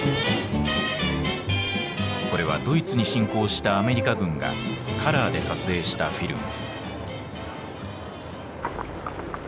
これはドイツに侵攻したアメリカ軍がカラーで撮影したフィルム。